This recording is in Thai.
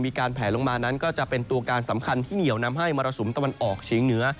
แผลลงมานั้นก็จะเป็นตัวการสำคัญที่เหนียวนำให้มรสุมตะวันออกเฉียงเหนือ